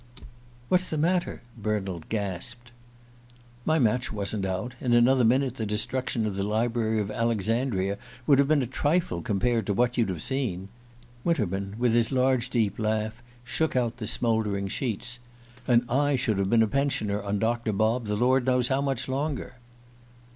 "What's the matter?" Bernald gasped. "My match wasn't out. In another minute the destruction of the library of Alexandria would have been a trifle compared to what you'd have seen." Winterman, with his large deep laugh, shook out the smouldering sheets. "And I should have been a pensioner on Doctor Bob the Lord knows how much longer!"